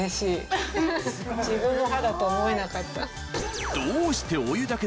自分の肌と思えなかった。